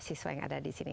siswa yang ada di sini